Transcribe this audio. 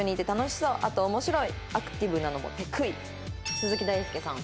鈴木大介さん。